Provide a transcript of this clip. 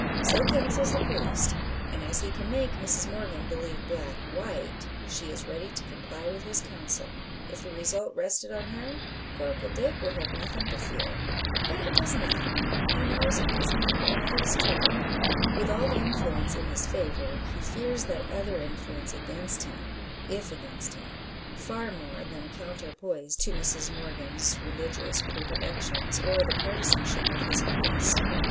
So counsels the priest; and as he can make Mrs Morgan believe black white, she is ready to comply with his counsel. If the result rested on her, Coracle Dick would have nothing to fear. But it does not he knows it does not and is troubled. With all the influence in his favour, he fears that other influence against him if against him, far more than a counterpoise to Mrs Morgan's religious predilections, or the partisanship of his priest.